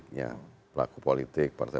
mulut yang mungkin fil poi aku aa makan teh